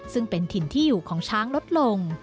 ซึ่งเป็นถิ่นที่อยู่ของช้างลดลง